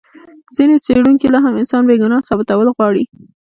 ځینې څېړونکي لا هم انسان بې ګناه ثابتول غواړي.